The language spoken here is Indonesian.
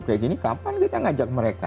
kayak gini kapan kita ngajak mereka